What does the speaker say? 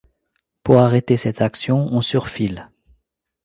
Pour arrêter cette action on surfile.